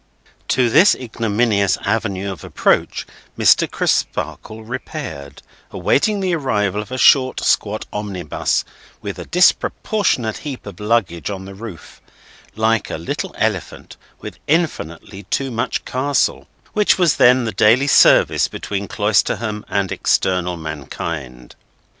To this ignominious avenue of approach, Mr. Crisparkle repaired, awaiting the arrival of a short, squat omnibus, with a disproportionate heap of luggage on the roof—like a little Elephant with infinitely too much Castle—which was then the daily service between Cloisterham and external mankind.